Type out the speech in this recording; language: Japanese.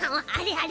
あれ？